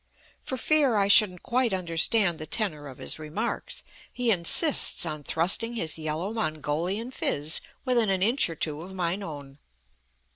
For fear I shouldn't quite understand the tenor of his remarks, he insists on thrusting his yellow Mongolian phiz within an inch or two of mine own.